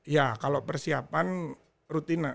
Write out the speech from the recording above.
ya kalau persiapan rutina